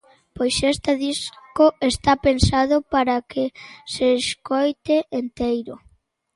Pois este disco está pensado para que se escoite enteiro.